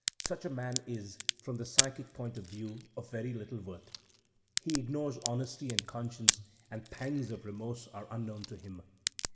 such a man is, from the psychic point of view, of very little worth. He ignores honesty and conscience, and pangs of remorse are unknown to him.